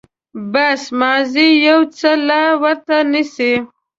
بس، مازې يو څه لاس ورته نيسه.